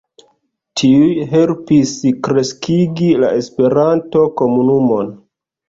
Tiuj helpis kreskigi la Esperanto-komunumon.